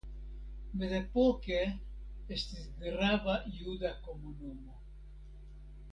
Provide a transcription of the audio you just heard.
Mezepoke estis grava juda komunumo.